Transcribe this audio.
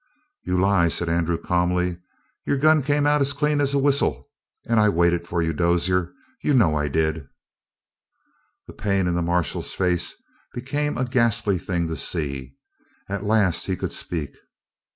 "You lie," said Andrew calmly. "Your gun came out clean as a whistle, and I waited for you, Dozier. You know I did." The pain in the marshal's face became a ghastly thing to see. At last he could speak.